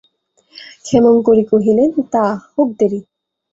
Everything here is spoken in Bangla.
ক্ষেমংকরী কহিলেন, তা, হোক দেরি।